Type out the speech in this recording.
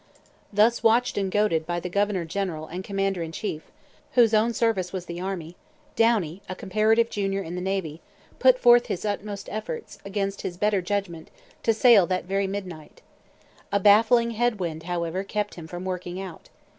Thus watched and goaded by the governor general and commander in chief, whose own service was the Army, Downie, a comparative junior in the Navy, put forth his utmost efforts, against his better judgment, to sail that very midnight. A baffling head wind, however, kept him from working out.